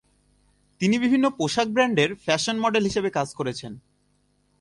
তিনি বিভিন্ন পোশাক ব্র্যান্ডের ফ্যাশন মডেল হিসাবে কাজ করেছেন।